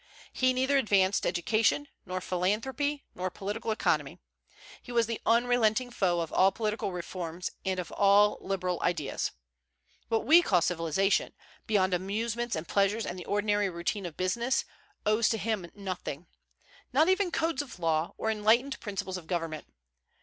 He neither advanced education, nor philanthropy, nor political economy. He was the unrelenting foe of all political reforms, and of all liberal ideas. What we call civilization, beyond amusements and pleasures and the ordinary routine of business, owes to him nothing, not even codes of law, or enlightened principles of government.